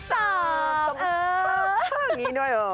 ต้องเผ่อเผ่ออย่างนี้ด้วย